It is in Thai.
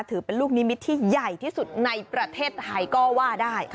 ถือเป็นลูกนิมิตรที่ใหญ่ที่สุดในประเทศไทยก็ว่าได้